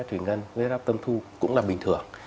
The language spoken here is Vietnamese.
huyết áp tâm thu cũng là bình thường